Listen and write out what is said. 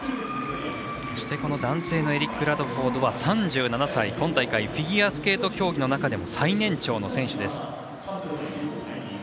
そして、男性のエリック・ラドフォードは３７歳、今大会フィギュアスケート競技の中でも最年長の選手です。